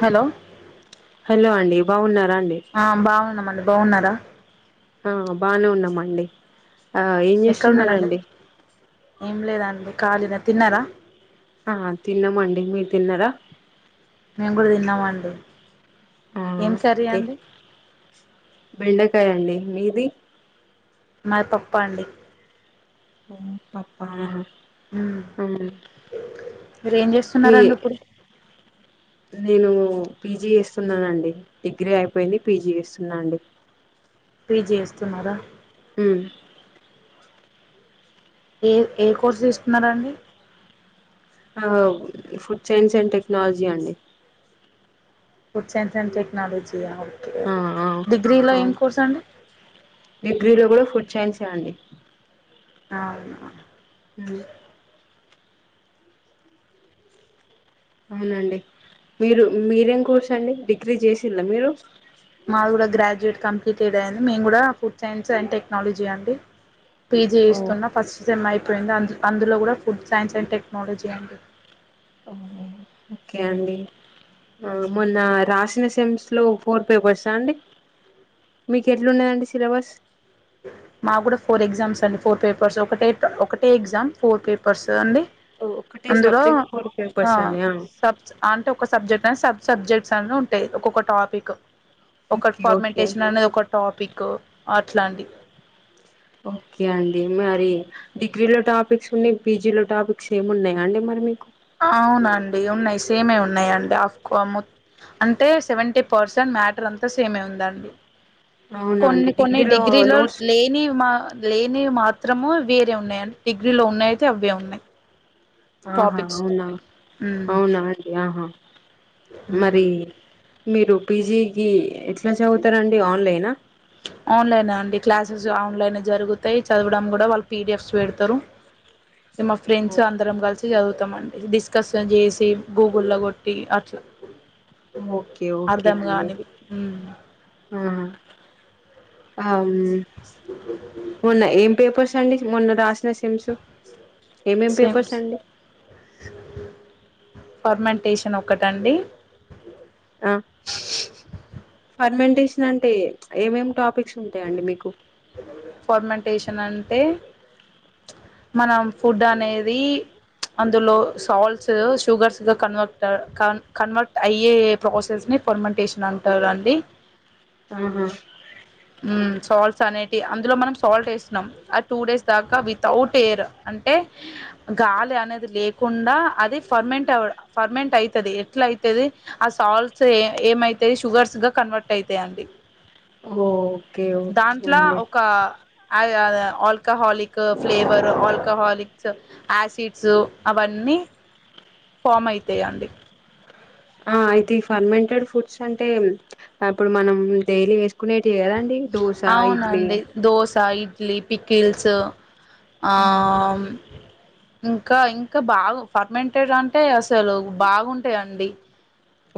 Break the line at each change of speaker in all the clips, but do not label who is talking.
Hello
hello అండి బాగున్నారా అండి
ఆ బాగున్నామండి బాగున్నారా
ఆ బానే ఉన్నామండి ఆ ఏం
ఎక్కడున్నారాండి
చేస్తున్నారండి
ఏం లేదాండి ఖాళీన తిన్నారా
ఆ తిన్నామండి మీరు తిన్నారా
మేము కూడా తిన్నామండి
ఆ
ఏం కర్రీ అండి
బెండకాయ అండి మీది
మది పప్పు అండి
మ్ పప్ప
మ్మ్.
ఆ
మీరు ఏం
మీ
చేస్తున్నారండి ఇప్పుడు
నేను పీజీ చేస్తున్నానండి డిగ్రీ అయిపోయింది పీజీ చేస్తున్నా అండి
పీజీ చేస్తున్నారా
మ్
ఏ ఏ కోర్సు తీసుకున్నారండి
ఆ ఫుడ్ సైన్స్ అండ్ టెక్నాలజీ అండి
ఫుడ్ సైన్స్ అండ్ టెక్నాలజీ ఆ ఓకే
ఆ ఆ
డిగ్రీలో ఏం
అవును
కోర్స్ అండి
డిగ్రీలో కూడా ఫుడ్ సైన్సు అండి
అవును
ఆ అవునండి మీరు మీరేం కోర్స్ అండి డిగ్రీ చేసిలా మీరు
మాది కూడా గ్రాడ్యుయేట్ కంప్లీట్యిడ్ అయింది మేము కూడా ఫుడ్ సైన్స్ అండ్ టెక్నాలజీ అండి పీజీ
ఓ
చేస్తున్న ఫస్ట్ సేమ్ అయిపోయింది అందు అందులో కూడా ఫుడ్ సైన్స్ అండ్ టెక్నాలజీ అండి
ఓకే అండి ఆ మొన్న రాసిన సేమ్స్ లో ఫోర్ పేపర్సా అండి మీకు ఎట్లున్నదండి సిలబస్
మాకు కూడా ఫోర్ ఎగ్జామ్స్ అండి ఫోర్ పేపర్స్ ఒకటే ఒకటే ఎగ్జామ్ ఫోర్ పేపర్స్ అండి
ఒకటే
అందులో
సబ్జెక్ట్ ఫోర్
ఆ
పేర్సన్యా
సబ్ అంటే ఒక సబ్జెక్ట్ అనే సబ్ సబ్జెక్ట్స్ అనే ఉంటాయి ఒక్కొక్క టాపిక్ ఒకటి
ఓకే ఓకే
ఫార్మటేషన్ అనేది ఒక టాపిక్ అట్లాంటి
ఓకే అండి మరి డిగ్రీ లో టాపిక్స్ ఉన్నాయి పీజీ లో టాపిక్స్ ఏమి ఉన్నాయా అండి మరి మీకు
అవునండి ఉన్నాయి సేమే ఉన్నాయిండి ఆఫ్కో అంటే సెవెంటీ పర్సెంట్ మ్యాటర్ అంతా సేమే ఉందండి
అవునా అండి
కొన్ని కొన్ని డిగ్రీలో
నోట్స్
లేనివి మా లేనివి మాత్రము వేరే ఉన్నాయి డిగ్రీ లో ఉన్నాయతే అవే ఉన్నాయి
ఆహా
టాపిక్స్
అవునా
ఉమ్
అవునా అండి ఆహా
ఉమ్
మరి మీరు పీజీకి ఎట్లా చదువుతరండి ఆన్లైనా
ఆన్లైన్ అండి క్లాసెస్ ఆన్లైన్ జరుగుతాయి చదవడం కూడా వాళ్ళు పీడిఎఫ్స్ పెడతరు మా ఫ్రెండ్స్
ఓ-
అందరం కలిసి చదువుతాండి డిస్కస్న్ చేసి గూగుల్లో కొట్టి అట్లా
ఓకే ఓకే
అర్ధం
అండి
కానివి
ఆ ఆమ్ మొన్న ఏం పేపర్స్ అండి మొన్న రాసిన సిమ్స్ ఏమేం పేపర్స్
సేమ్స్
అండి
ఫర్మెంటేషన్ ఒకటండి
ఆ ఫర్మెంటేషన్ అంటే ఏమేమి టాపిక్స్ ఉంటయండి మీకు
ఫార్మెంటేషన్ అంటే మనం ఫుడ్ అనేది అందులో సాల్ట్స్ షుగర్స్ గా కన్వర్ట్ కన్ కన్వర్ట్ అయ్యే ప్రాసెస్ ని ఫర్మెంటేషన్ అంటారు అండి
ఆహా
ఉమ్ సాల్ట్స్ అనేటి అందులో మనం సాల్ట్ వేస్తున్నాం ఆ టూ డేస్ దాకా వితౌట్ ఎయిర్ అంటే గాలి అనేది లేకుండా అది ఫర్మెంట్ అవ ఫర్మెంట్ అవుతది ఎట్లా అయితది ఆ సాల్ట్స్ ఏ ఏమైతాయి షుగర్స్ గా కన్వర్ట్ అయితాయిండి
ఓకే ఓకే
అట్లా
అండి
ఒక అద్ ఆ ఆల్కహాలిక్ ఫ్లేవర్ ఆల్కహాలిక్స్ యాసిడ్స్ అవన్నీ ఫామ్ అయితాయన్
ఆ అయితే ఈ ఫర్మెంటెడ్ ఫుడ్స్ అంటే అప్పుడు మనం డైలీ వేసుకునేటివి కదా
అవునండి దోస ఇడ్లీ పి ఆ ఇంకా ఇంకా బాగా ఫర్మెంటెడ్ అంటే అసలు బాగుంటాయండి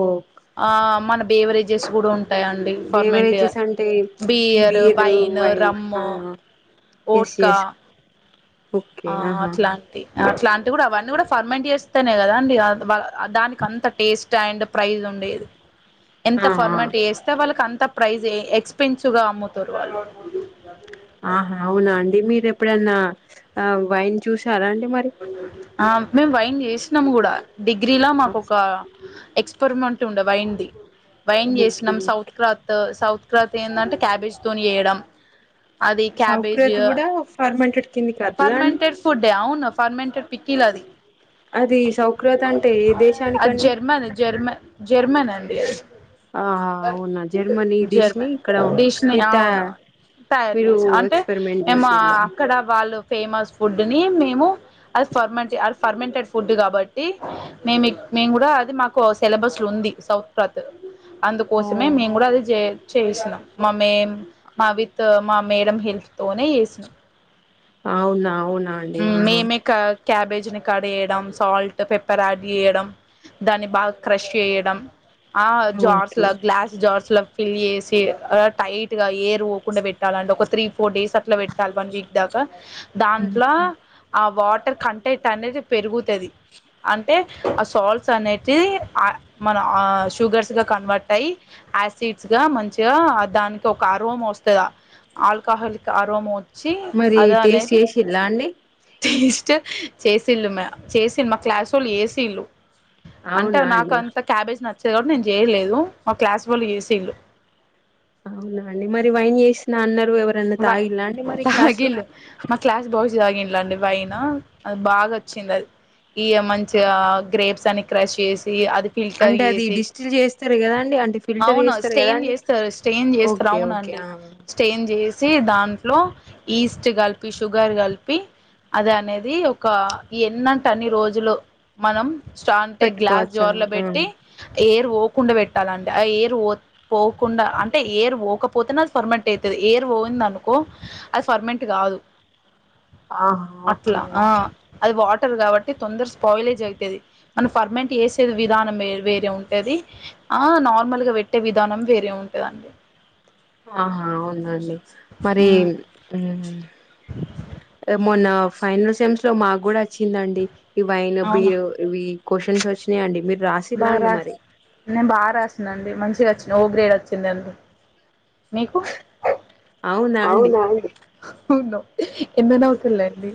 ఓ క్
ఆ మన బేవరేజెస్ కూడా ఉం ఉంటాయండి ఫార్మటి
బేవరేజెస్ అంటే ఈ
బియర్
బీర్
వైన్
ఆ
రమ్ము
ఎస్
ఓట్కా
ఎస్ ఓకే
ఆ
ఆహా
అట్లాంటి అట్లాంటి కూడా అవన్నీ కూడా ఫర్మెంట్ చేస్తేనే కదా అండి దానికి అంత టేస్ట్ అండ్ ప్రైస్ ఉండేది ఎంత
ఆ ఆ
ఫర్మాలిటీ వేస్తే వాళ్ళకి అంత ప్రైజ్ ఎక్స్పెన్సివ్ గా అమ్ముతారు వాళ్ళు
ఆ అవునా అండి మీరు ఎప్పుడైన్నా ఆ వన్ చూసారా అండి మరి
ఆ మేము వైన్ చేసినాము కూడా డిగ్రీలా మాకు ఒక ఎక్ పెరిమెంట్ ఉండే వైన్ ది వైన్ చేసినం
ఓకే
సౌత్ క సౌత్ క్రాత్ ఏంటంటే క్యాబేజ్ తోని వేయడం అది క్యాబేజ్
ఫార్మంటడ్
ఫర్మెంటెడ్ ఫుడ్డే అవును ఫర్మెంటెడ్ పికిల్ అది
అది సౌ
అది జర్మన్ జర్మన్ జర్మన్ అండి అది
ఆ అవునా జర్మనీ డిష్ ని
జర్మన్
ఇక్కడ
డిష్ నే
మీరు త
అవును తయారు
మీరు
చేసా అంటే
ఎక్స్పెరిమెంట్
ఏ మా
చేసిలా
అక్కడ వాళ్ళు ఫేమస్ ఫుడ్ ని మేము అది ఫెర్మెంటి అది ఫర్మెంటె ఫుడ్ కాబట్టి మేము మేము కూడా అది మాకు సిలబస్ లో ఉంది సౌత్ ఫుడ్ [unintelligible] అందుకోసమే మేము కూడా అది చే చేయిసినం మా మేం మా విత్త మా మేడం హెల్ప్ తోనే చేసినం
అవునా అవునా అండి ఆహా
మేమే క క్యాబేజ్ని కడ్ చేేయడం సాల్ట్ పెప్పర్ యాడ్ చేయడం దాన్ని బాగా క్రష్ చేయడం ఆ జార్స్
ఓకే
లో గ్లాస్ జార్స్ లో ఫిల్ చేసి టైట్ గా ఎయిర్ పోకుండా పెట్టాలంటే ఒక త్రీ ఫోర్ డేస్ అట్లా పెట్ వన్ వీక్ దాకా దాంట్లో ఆ వాటర్ కంటెంట్ అనేది పెరుగుతది అంటే ఆ సాల్ట్స్ అనేటి మన ఆ షుగర్స్ గా కన్వర్ట్ అయ్యి యాసిడ్స్ గా మంచిగా దానికి ఒక అరోమా వస్తదా ఆల్కహాల్ క అరోమా వచ్చి అదా అనేది
చిల్లా అండి
టేస్ట్ చేసిళ్ళు మా చేసి మా క్లాస్ వాళ్ళు చేసిల్ళు అంటే
అవునా
నాకు
అండి
అంత క్యాబేజ్ నచ్చేది కాబట్టి నేను చేయలేదు మా క్లాస్ వాళ్ళు ఏసీళ్ళు
అవునండి మరి వైన్ చేసిన అన్నారు ఎవరు
బ తగిలు మా క్లాస్ బాయ్స్ తాగింట్లా అండి వైన్ అది బాగా వచ్చింది అది ఇగ మంచిగా గ్రేప్స్ అని క్రష్ చేసి అది ఫిల్టర్
అంటే అది
చేసి
డిస్టిల్ చేస్తారు కదా అండి అంటే ఫిల్టర్
అవును
చేస్తారు కదా
స్టెయిన్
అండి
చేస్తారు
ఓ ఓకే ఓకే ఆ
చేంజ్ చేసి దాంట్లో ఈస్ట్ కలిపి షుగర్ కలిపి అదే అనేది ఒకా ఎన్నంటే అన్ని రోజులో మనం స్టా అంటే గ్లాస్
పెట్టుకోవచ్చా
జోర్ లో పెట్టి
అండి
ఏరు పోకుండా పెట్టాలంట ఆ ఏరు పో పోకుండా అంటే ఏర్ పోకపోతెనే అది ఫర్మంట్ అయితది ఏర్ పోయింది అనుకో అది ఫర్మెంట్ కాదు
ఆహా ఓకే
అట్లా ఆ
ఓకే
అది వాటర్ కాబట్టి తొందర స్పాయిలైజ్ అయితది మనం ఫర్మెంట్ చేసే విధానం వే వేరే ఉంటది ఆ నార్మల్ గా పెట్టే విధానం వేరే ఉంటదండి
ఆహా అవునా అండి మరీ
మ్మ్
మ్ మొన్నా ఫైనల్ సెమ్స్ లో మాక్కూడా వచ్చిందండి ఇవైైన
అవునా
బీయో ఇవి క్వశ్చన్స్ వచ్చినాయండి మీరు రాసి
నేను బాగా రాసినాండి మంచిగా వచ్చింది ఓ గ్రేడ్ వచ్చింది అందు
అవునా అండి
అవును అవున్ హో నో ఎందుకు నవ్వుతుల్లు అండి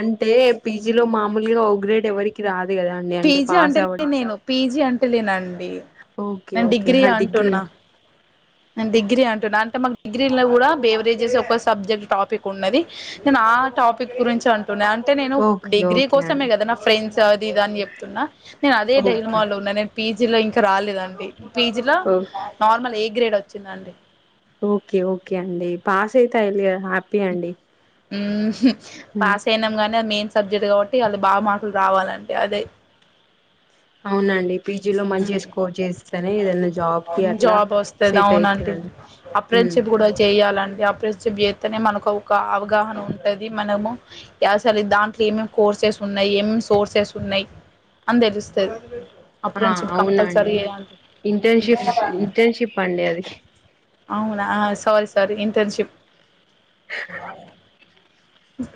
అంటే పీజీలో మామూలుగా ఒ గ్రేడ్ ఎవరి కి రాదు కదా అండి అంటే
పీజీ
పాస్
అంటలే
అవ్వడం
నేను పీజీ అంటలేనండి
ఓకే
నేను
ఓకే [unintelligible] డిగ్రీ
అంటున్నా నేను డిగ్రీ అంటున్నా అంటే మా డిగ్రీ లో కూడా బేవరేజెస్ ఒక సబ్జెక్ట్ టాపిక్ ఉన్నది నేను ఆ టాపిక్ గురించి అంటున్నా అంటే నేను
ఓకే
డిగ్రీ
ఓకే
కోసమే
అండి
కదా నా ఫ్రెండ్స్ అది ఇది అని చెప్ తున్నా నేను అదే
ఓకే
డైలమా లో ఉన్నా నేను పీజీలో ఇంకా రాలేదండి పీజీలో
ఓ
నార్మల్ ఏ గ్రేడ్ వచ్చిందండి
ఓకే ఓకే అండి పాస్ అయితే అయిందిగా హా
మ్మ్ హు
మ్
పాస్ అయినాం గానీ అది మెయిన్స్ సబ్జెక్ట్ కాబట్టి అళ్ళు బాగా మార్కులు రావాలండి అదే
అవునండి పీజీలో మంచిగ స్కోర్ చేసి
మ్ జాబ్ వస్తది
సెట్
అవును అండి
అయితదండి ఉమ్
ఆప్రెండ్షిప్ కూడా చేయాలండి అప్రెస్ షిప్ జేత్తేనే మనకు ఒక అవగాహన ఉంటది మనము అసలు దాంట్లో ఏమేమి కోర్సెస్ ఉన్నయ్ ఏమేమి సోర్సెస్ ఉన్నయ్ అని తెలుస్తది అఫ్రెండ్షిప్ కంపల్సరీ ఎయన్
ఇంటెన్షిప్స్ ఇంటెన్షిప్ అండి అది
అవునా sorry sorry internship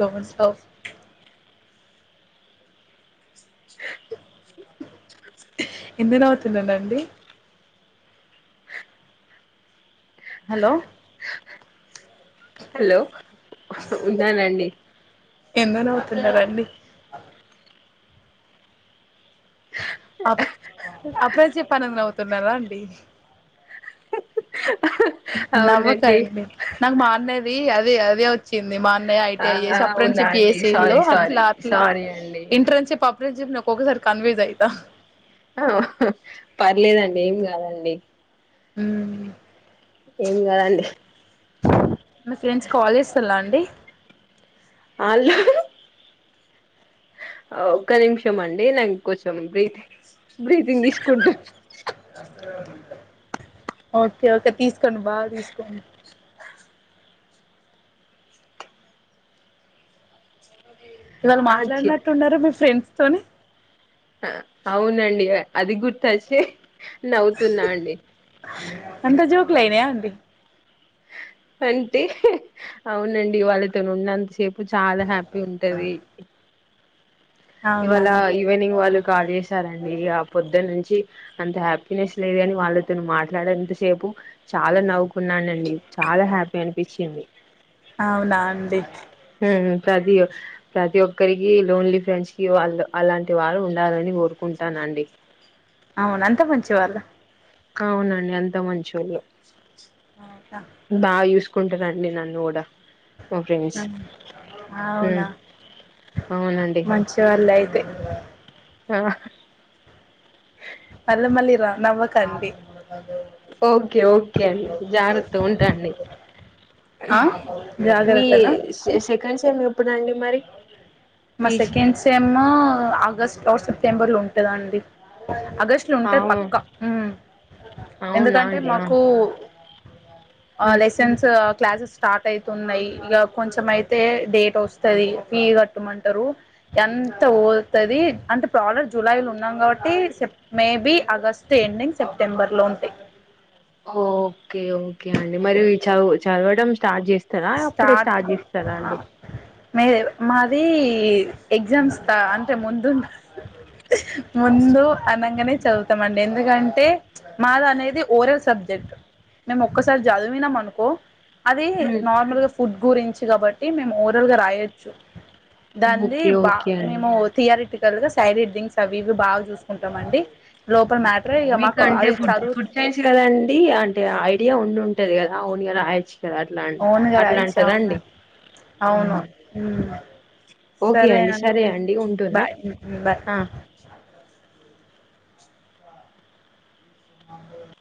don't loss
స
ఎందుకు నవ్వుతున్నానండి హలో
హలో ఉన్నానండి
ఎందుకు నవ్వుతున్నారండీ అప్ అప్పుడే చెప్పానని నవ్వుతున్నారా అండి
అవునండి
నవ్వకండి నాకు మారనేది అదే అదేవ చ్చింది మా అన్నయ్య
ఆ
ఐటీఐ చేసి
అవునా
అప్రెన్షిప్
అండి
ఏసిల్లు
సారీ సారీ
అట్లా అట్లా
సారీ అండి
ఇంట్రన్షిప్ అప్రెన్షిప్ ను ఒక్కొసారి కన్య్ఫూజ్ అయిత
పర్లేదండి ఏం కాదండి
ఉమ్
ఏం కదండి
మి ఫ్రెండ్స్ కాల్ చేస్తలా అండి
అల్లు ఒక్క నిమిషం అండి నాం కొంచెం బ్రీతింగ్ బ్రీతింగ్ తీసుకుంటా
ఓకే ఓకే తీసుకోండి బాగ తీసుకోండి ఇవాళ
ఆ చి
మాట్లాడినట్టున్నారెమో ఫ్రెండ్స్ తోని
అవునండి అది గుర్తొచ్చి నవ్వుతున్నా అండి
అంతా జోక్లయిన్యా అండి
అంటే అవునండి వాళ్ళతో ఉంన్నతసేపు ఇప్ చాలా హ్యాపీ ఉంటదీ
అవునా
ఇవాళ ఈవెనింగ్ వాళ్ళు కాల్ చేసారండి ఇక పొద్దు నుంచి అంత హ్యాపీనెస్ లేదు అని వాళ్ళతో మాట్లాడ ఎంతసేపు చాలా నవ్వుకున్నానండి చాలా హ్యాపీ అనిపిచ్చింది
అవునా అండి
ప్రతి ప్రతి ఒక్కరికి లోన్లీ ఫ్రెంచ్ ఇవాళ్ళు అలాంటి వారు ఉండాలని కోరుకుంటానండి
అవున అంతా మంచి వాళ్ళ
అవునండి అంతా మంచోళ్ళు
ఉ ఉంటా
బాగా చూసుకుంటారండి నన్ను కూడా మా ఫ్రెంస్ ఉ
అవునా
అవునండి
చల్ల అయితే
ఆ
మళ్ళీ మళ్ళీ రాన్వానకండి
ఓకే ఓకే అండి జాగ్రత్త ఉంటాండి
ఆ
మీ
జాగ్రత్తనా
సెకండ్ సేమ్ ఎప్పుడు అండి మరి
మా
PG
second sem August first September లో ఉంటయండి అగస్ట్ లో ఉంటాదీ
అవు
పక్కా
అవునా
ఎందుకంటే
అండి ఆ
మాకు ఆ
హ్మ్.
లైసెన్స్ క్లాసెస్ స్టార్ట్ అయితున్నాయి ఇక కొంచెం అయితే డేట్ వస్తుది ఫీ కట్టమంటారు ఎంత పోతుది అంటే ప్రలర్ జులై లో ఉన్నాం కాబట్టి సప్ మేబి ఆగస్టు ఎండింగ్ సెప్టెంబర్ లో ఉంటుంది
ఓకే ఓకే అండి మరి చదువు చదవడం స్టార్ట్ చేస్త స్తారా అప్పుడే స్టార్ట్ చేస్తారా అండి
మీరే మాది ఎగ్జామ్స్ అంటే ముందు ముందూ అనంగనే చదువుతామండి ఎందుకంటే మాది అనేది ఓరల్ సబ్జెక్ట్ మేము ఒక్కసారి చదివినాం అనుకో అది
హ్మ్.
నార్మల్ గా ఫుడ్ గురించి కాబట్టి మేము ఓవరల్ గా రాయొచ్చు దాందీ
ఓకే
బా
ఓకే అండి
మేమూ థియారిటికల్ గా సైడ్ ఎడింగ్స్ అవి ఇవి బాగ చూసుకుంటాం అండి లోపల
ఓకే
మ్యాటర్ ఇక
మీకు
మాకు
అంటే
అది
ఫుడ్
చదువు
ఫుడ్ సైన్స్ కదా అండి అంటే ఐడియా ఉం ఉంటుది కదా వున్గా రాయచ్చు దా అట్లాంట్
ఓన్గా రాయొచ్చు
అట్లాంటిదండి
అవును
ఆ
అవును
ఓకే అండి సరే అండి ఉంటున్న
బాయ్ బాయ్
అ
[unintelligible]